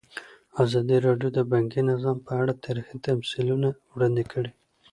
ازادي راډیو د بانکي نظام په اړه تاریخي تمثیلونه وړاندې کړي.